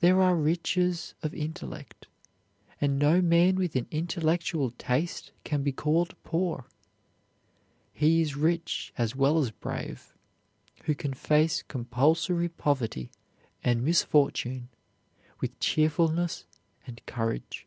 There are riches of intellect, and no man with an intellectual taste can be called poor. He is rich as well as brave who can face compulsory poverty and misfortune with cheerfulness and courage.